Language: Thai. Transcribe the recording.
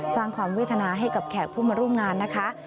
สร้างความเวทนาให้กับแขกผู้มาร่วมงานนะคะ